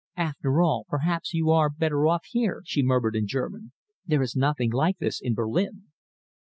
"After all, perhaps you are better off here," she murmured in German. "There is nothing like this in Berlin."